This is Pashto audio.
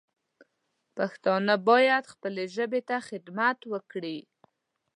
پښتانه باید خپلې ژبې ته خدمت وکړي